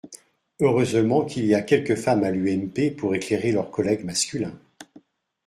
Heureusement qu’il y a quelques femmes à l’UMP pour éclairer leurs collègues masculins.